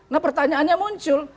nah pertanyaannya muncul